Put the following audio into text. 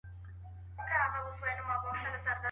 ادبیاتو پوهنځۍ په بیړه نه بشپړیږي.